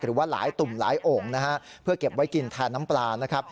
หรือว่าหลายตุ่มหลายโอ่งนะฮะเพื่อเก็บไว้กินแทนน้ำปลานะครับ